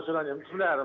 sebenarnya saya cek dulu